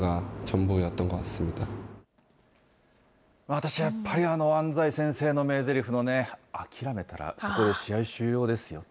私はやっぱり、安西先生の名台詞のね、諦めたらそこで試合終了ですよ。